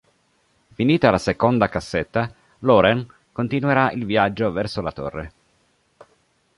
Finita la seconda cassetta, Lauren continuerà il viaggio verso la torre.